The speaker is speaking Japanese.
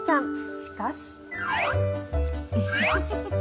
しかし。